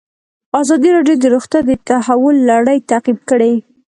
ازادي راډیو د روغتیا د تحول لړۍ تعقیب کړې.